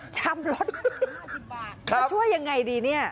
ทำรถ๕๐บาทช่วยอย่างไรดีนี่